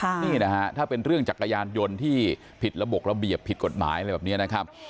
นี่นะฮะถ้าเป็นเรื่องจักรยานยนต์ที่ผิดระบบระเบียบผิดกฎหมายอะไรแบบนี้นะครับ